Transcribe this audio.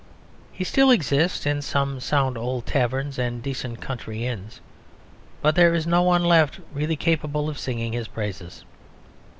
He still exists in some sound old taverns and decent country inns, but there is no one left really capable of singing his praises.